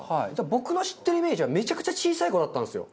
僕の知ってるイメージはめちゃくちゃ小さい子だったんですよ。